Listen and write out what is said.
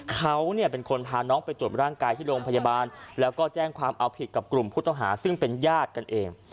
เขาเนี่ยเป็นคนพาน้องไปตรวจร่างกายที่โรงพยาบาลแล้วก็แจ้งความเอาผิดกับกลุ่มผู้ต้องหาซึ่งเป็นญาติกันเอง